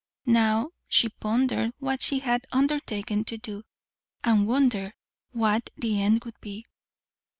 Now she pondered what she had undertaken to do, and wondered what the end would be.